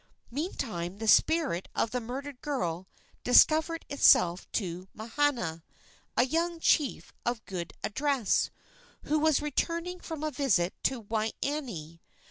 Meantime the spirit of the murdered girl discovered itself to Mahana, a young chief of good address, who was returning from a visit to Waianae.